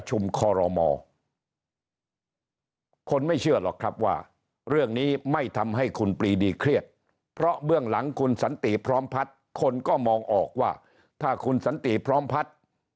คนไม่เชื่อหรอกครับว่าเรื่องนี้ไม่ทำให้คุณปรีดีเครียดเพราะเบื้องหลังคุณสันติพร้อมพัฒน์คนก็มองออกว่าถ้าคุณสันติพร้อมพัฒน์